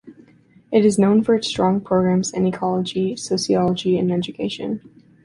It is known for its strong programs in ecology, sociology and education.